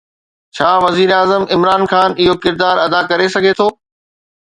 ڇا وزيراعظم عمران خان اهو ڪردار ادا ڪري سگهي ٿو؟